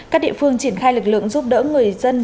các địa phương triển khai lực lượng giúp đỡ người dân